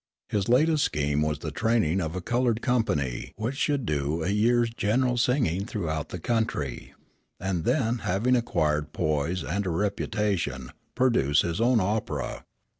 His latest scheme was the training of a colored company which should do a year's general singing throughout the country, and then having acquired poise and a reputation, produce his own opera.